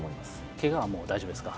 けがはもう大丈夫ですか？